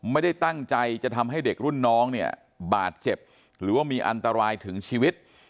ไม่ได้ตั้งใจจะทำให้เด็กรุ่นน้องเนี่ยบาดเจ็บหรือว่ามีอันตรายถึงชีวิต